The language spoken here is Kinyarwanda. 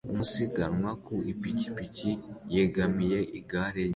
Umusiganwa ku ipikipiki yegamiye igare rye